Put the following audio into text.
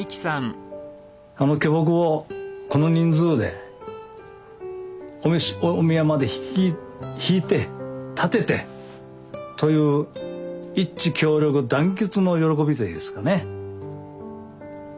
あの巨木をこの人数でお宮まで曳いてたててという一致協力団結の喜びというんですかね。